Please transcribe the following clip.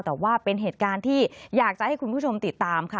แต่ว่าเป็นเหตุการณ์ที่อยากจะให้คุณผู้ชมติดตามค่ะ